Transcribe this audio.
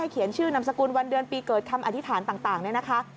เขียนชื่อนามสกุลวันเดือนปีเกิดคำอธิษฐานต่างเนี่ยนะคะ